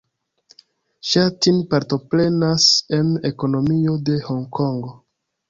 Ŝa Tin partoprenas en ekonomio de Honkongo.